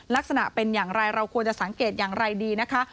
ลักษณะเป็นอย่างไรเราควรจะสังเกตอย่างไรดีนะคะ